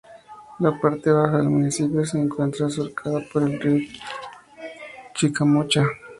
La parte baja del municipio se encuentra surcada por el río Chicamocha.